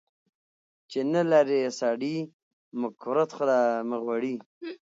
چی نلرې سړي ، مه کورت خوره مه غوړي .